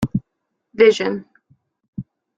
Vision.